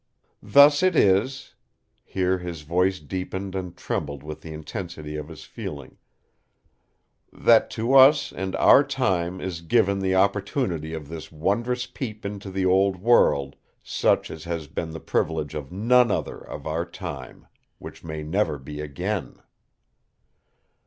Thus it is"—here his voice deepened and trembled with the intensity of his feeling—"that to us and our time is given the opportunity of this wondrous peep into the old world, such as has been the privilege of none other of our time; which may never be again.